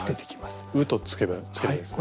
「う」とつければいいんですね。